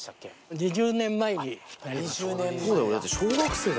２０年前だ。